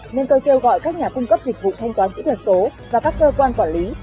nên tôi kêu gọi các nhà cung cấp dịch vụ thanh toán kỹ thuật số và các cơ quan quản lý